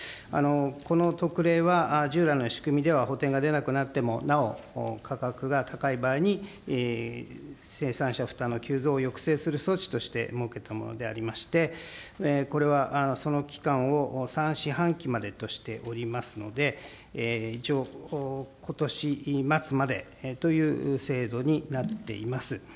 この特例は、従来の仕組みでは補填が出なくなっても、なお、価格が高い場合に、生産者負担の急増を抑制する措置として設けたものでありまして、これは、その期間を３四半期までとしておりますので、一応、ことし末までという制度になっています。